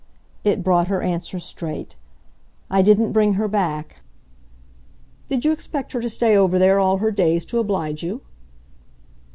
It brought her answer straight. "I didn't bring her back." "Did you expect her to stay over there all her days to oblige you?"